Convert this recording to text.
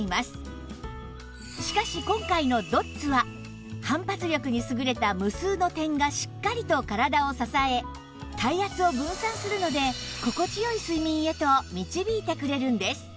しかし今回のドッツは反発力に優れた無数の点がしっかりと体を支え体圧を分散するので心地良い睡眠へと導いてくれるんです